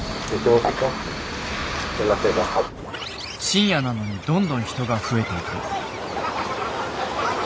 深夜なのにどんどん人が増えていく。